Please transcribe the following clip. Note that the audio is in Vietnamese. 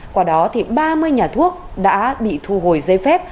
qua đó thì ba mươi nhà thuốc đã bị thu hồi giấy phép